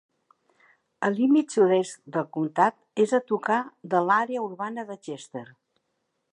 El límit sud-est del comtat és a tocar de l'àrea urbana de Chester.